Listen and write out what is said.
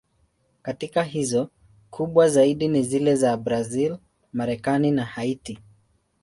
Katika hizo, kubwa zaidi ni zile za Brazil, Marekani na Haiti.